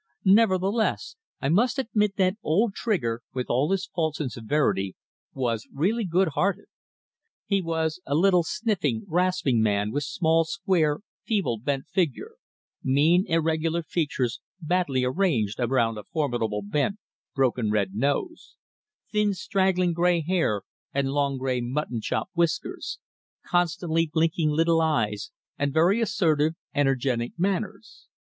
Nevertheless, I must admit that old Trigger, with all his faults and severity, was really good hearted. He was a little sniffing, rasping man, with small, spare, feeble, bent figure; mean irregular features badly arranged round a formidable bent, broken red nose; thin straggling grey hair and long grey mutton chop whiskers; constantly blinking little eyes and very assertive, energetic manners.